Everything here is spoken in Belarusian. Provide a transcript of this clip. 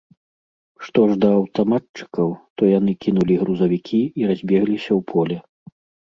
Што ж да аўтаматчыкаў, то яны кінулі грузавікі і разбегліся ў поле.